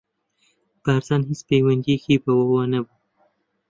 بارزان هیچ پەیوەندییەکی بەوەوە نەبوو.